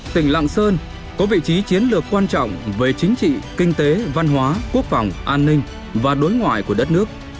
tỉnh lạng sơn có vị trí chiến lược quan trọng về chính trị kinh tế văn hóa quốc phòng an ninh và đối ngoại của đất nước